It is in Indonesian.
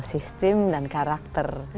sistem dan karakter